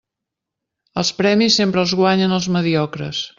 Els premis sempre els guanyen els mediocres.